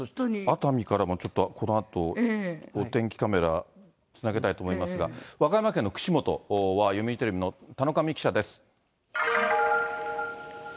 熱海からもこのあとお天気カメラつなげたいと思いますが、和歌山県の串本は、読売テレビの田上記者です。